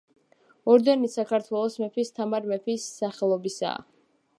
ორდენი საქართველოს მეფის, თამარ მეფის სახელობისაა.